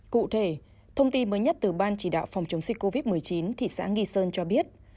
cụ thể thông tin mới nhất từ ban chỉ đạo phòng chống dịch covid một mươi chín thị xã nghi sơn cho biết